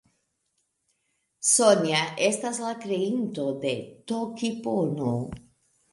Sonja estas la kreinto de Tokipono.